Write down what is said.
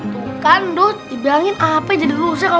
tuh kan dut dibilangin apa jadi rusak